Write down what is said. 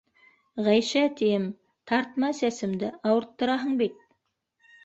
— Ғәйшә, тием, тартма сәсемде, ауырттыраһың бит.